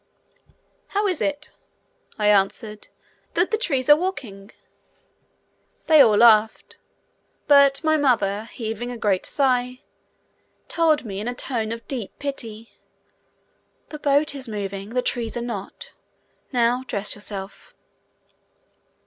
"How is it," I answered, "that the trees are walking." They all laughed, but my mother, heaving a great sigh, told me, in a tone of deep pity, "The boat is moving, the trees are not. Now dress yourself."